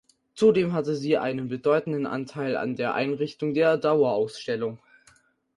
Zudem hatte sie einen bedeutenden Anteil an der Einrichtung der Dauerausstellung.